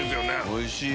おいしい！